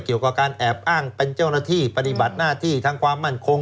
เกี่ยวกับการแอบอ้างเป็นเจ้าหน้าที่ปฏิบัติหน้าที่ทางความมั่นคง